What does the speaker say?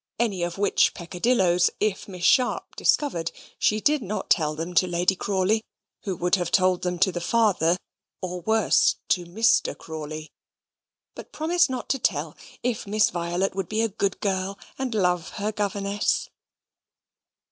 Any of which peccadilloes, if Miss Sharp discovered, she did not tell them to Lady Crawley; who would have told them to the father, or worse, to Mr. Crawley; but promised not to tell if Miss Violet would be a good girl and love her governess.